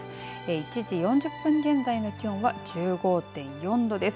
１時４０分現在の気温は１５．４度です。